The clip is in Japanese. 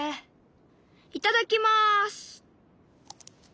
いただきます！